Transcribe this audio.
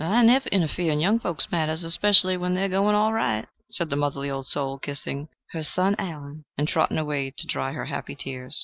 "I never interfere in young folks' matters, especially when they're going all right," said the motherly old soul, kissing "her son Allen" and trotting away to dry her happy tears.